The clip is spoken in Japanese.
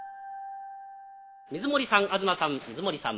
水森さん東さん水森さん。